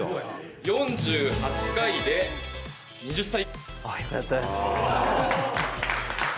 ４８回で、２０歳。